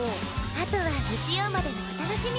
あとは日曜までのお楽しみ！